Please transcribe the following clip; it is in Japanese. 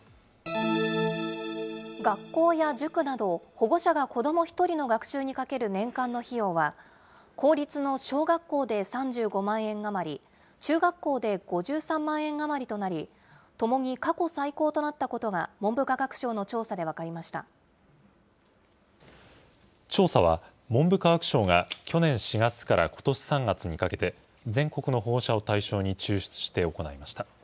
学校や塾など、保護者が子ども１人の学習にかける年間の費用は、公立の小学校で３５万円余り、中学校で５３万円余りとなり、ともに過去最高となったことが、文調査は、文部科学省が去年４月からことし３月にかけて、全国の保護者を対象に抽出して行いました。